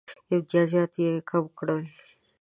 امتیازات یې کم کړي ول.